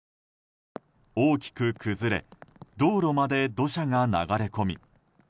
大きく崩れ道路まで土砂が流れ込み